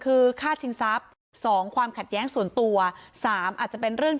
คือฆ่าชิงทรัพย์สองความขัดแย้งส่วนตัวสามอาจจะเป็นเรื่อง